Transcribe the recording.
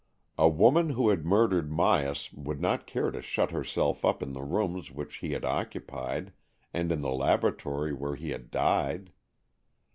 A woman who had murdered Myas would not care to shut herself up in the rooms which he had occupied, and in the laboratory where he had died.